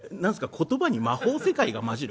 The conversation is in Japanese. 言葉に魔法世界が交じる？